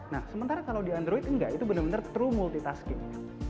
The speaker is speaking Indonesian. nah sementara kalau di android enggak itu benar benar true multitasking